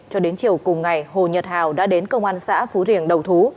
cho đến chiều cùng ngày hồ nhật hào đã đến công an xã phú riềng đầu thú